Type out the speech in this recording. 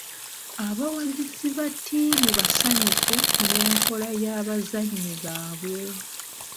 Abawagizi ba ttiimu basanyufu n'enkola y'abazannyi baabwe.